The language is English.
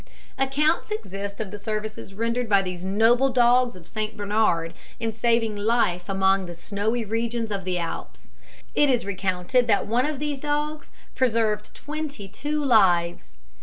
Accounts exist of the services rendered by these noble dogs of Saint Bernard in saving life among the snowy regions of the Alps. It is recounted that one of these dogs preserved twenty two lives.